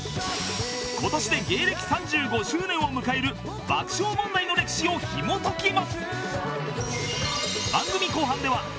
今年で芸歴３５周年を迎える爆笑問題の歴史を紐解きます